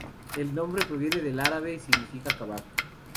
El nombre proviene del árabe y significa "cavar".